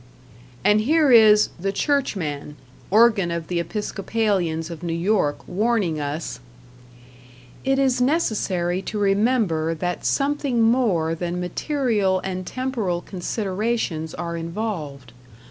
And here is "The Churchman," organ of the Episcopalians of New York, warning us: It is necessary to remember that something more than material and temporal considerations are involved.